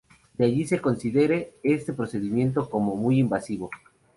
De allí que se considere este procedimiento como muy invasivo.